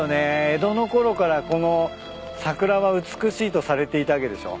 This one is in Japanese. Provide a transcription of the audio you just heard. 江戸のころからこの桜は美しいとされていたわけでしょ？